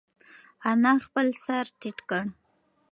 انا خپل سر ټیټ کړ.